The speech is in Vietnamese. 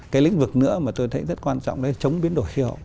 cái lĩnh vực nữa mà tôi thấy rất quan trọng đấy là chống biến đổi hiệu